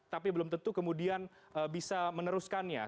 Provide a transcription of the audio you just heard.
tapi belum tentu kemudian bisa meneruskannya